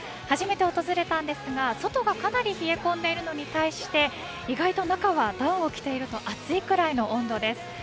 初めて訪れたんですが、外がかなり冷え込んでいるのに対して意外と中はガウンを着ていると暑いぐらいの温度です。